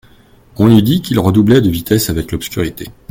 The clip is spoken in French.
On eût dit qu'il redoublait de vitesse avec l'obscurité.